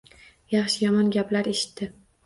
Yaxshi-yomon gaplar eshitdi.